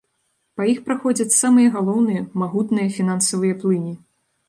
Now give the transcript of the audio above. Па іх праходзяць самыя галоўныя, магутныя фінансавыя плыні.